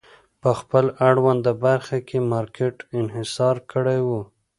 په خپل اړونده برخه کې مارکېټ انحصار کړی و.